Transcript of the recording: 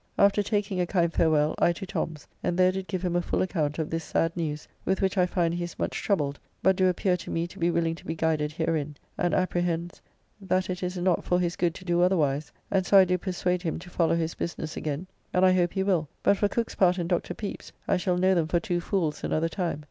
After taking a kind farewell, I to Tom's, and there did give him a full account of this sad news, with which I find he is much troubled, but do appear to me to be willing to be guided herein, and apprehends that it is not for his good to do otherwise, and so I do persuade [him] to follow his business again, and I hope he will, but for Cooke's part and Dr. Pepys, I shall know them for two fools another time.